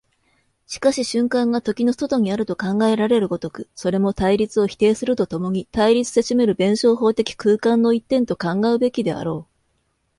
しかし瞬間が時の外にあると考えられる如く、それも対立を否定すると共に対立せしめる弁証法的空間の一点と考うべきであろう。